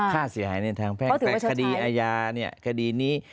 ค่าเสียหายในทางแพ่งแต่คดีอาญาเนี่ยคดีนี้